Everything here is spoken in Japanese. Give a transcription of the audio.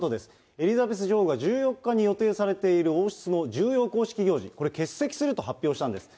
エリザベス女王が、１４日に予定されている王室の重要公式行事、これを欠席すると発表したんです。